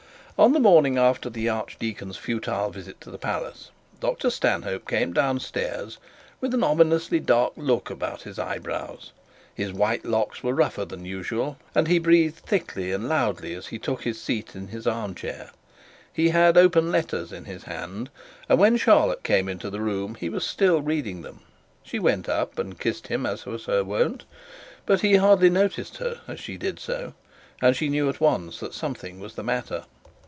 On the morning after the archdeacon's futile visit to the palace, Dr Stanhope came down stairs with an ominously dark look about his eyebrows; his white locks were rougher than usual, and he breathed thickly and loudly as he took his seat in his arm chair. He had open letters in his hand, and when Charlotte came into the room he was still reading them. She went up and kissed him as was her wont, but he hardly noticed her as she did so, and she knew at once that something was the matter.